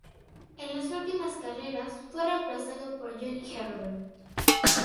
En las últimas carreras fue reemplazado por Johnny Herbert.